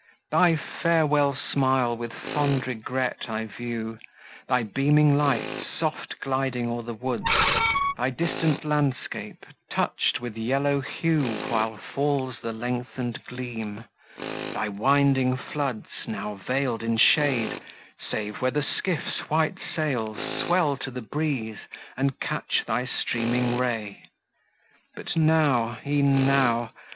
Thy farewell smile, with fond regret, I view, Thy beaming lights, soft gliding o'er the woods; Thy distant landscape, touch'd with yellow hue While falls the lengthen'd gleam; thy winding floods, Now veil'd in shade, save where the skiff's white sails Swell to the breeze, and catch thy streaming ray. But now, e'en now!